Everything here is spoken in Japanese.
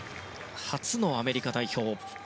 初のアメリカ代表。